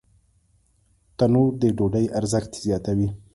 تنور د ډوډۍ ارزښت زیاتوي